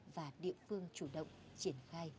và địa phương chủ động triển khai